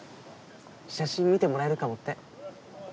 写真見てもらえるかもって。